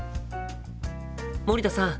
森田さん。